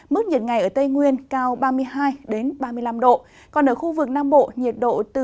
mức nhiệt ngày ở tây nguyên cao ba mươi hai ba mươi năm độ còn ở khu vực nam bộ nhiệt độ từ ba mươi bốn ba mươi bảy độ